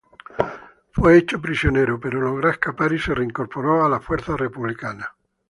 Fue hecho prisionero, pero logró escapar y se reincorporó a las fuerzas republicanas.